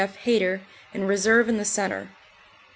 F. Hayter, in reserve in the centre.